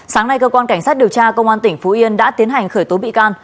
sáng nay cơ quan cảnh sát điều tra công an tỉnh phú yên đã tiến hành khởi tố bị can